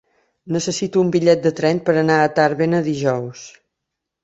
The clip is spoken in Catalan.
Necessito un bitllet de tren per anar a Tàrbena dijous.